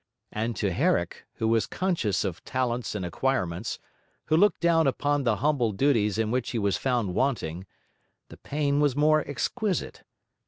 And to Herrick, who was conscious of talents and acquirements, who looked down upon those humble duties in which he was found wanting, the pain was the more exquisite.